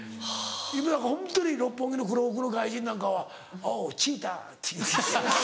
今なんかホントに六本木のクロークの外人なんかは「オウチーター」って言う。